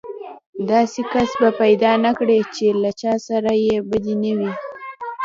داسې کس به پيدا نه کړې چې له چا سره يې بدي نه وي.